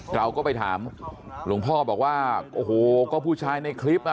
เราก็ไปถามหลวงพ่อบอกว่าโอ้โหก็ผู้ชายในคลิปอ่ะ